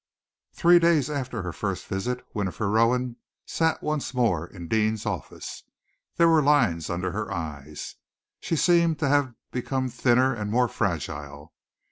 Three days after her first visit, Winifred Rowan sat once more in Deane's office. There were lines underneath her eyes. She seemed to have become thinner and more fragile.